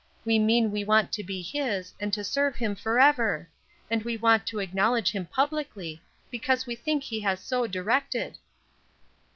We mean we want to be his, and to serve him forever; and we want to acknowledge him publicly, because we think he has so directed."